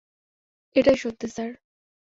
এটাই সত্যি, স্যার।